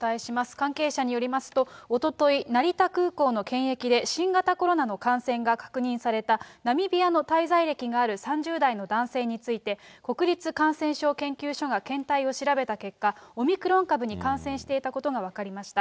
関係者によりますと、おととい、成田空港の検疫で新型コロナの感染が確認されたナミビアの滞在歴がある３０代の男性について、国立感染症研究所が、検体を調べた結果、オミクロン株に感染していたことが分かりました。